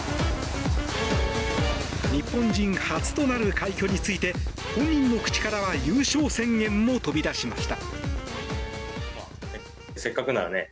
日本人初となる快挙について本人の口からは優勝宣言も飛び出しました。